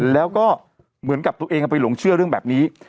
แล้วก็เหมือนกับตัวเองเอาไปหลงเชื่อเรื่องแบบนี้